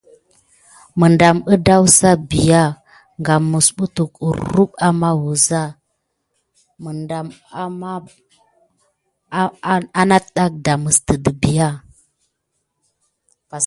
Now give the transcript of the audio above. Medam əza bià derbaka wuza kurump amanz medam a bar na mifiya.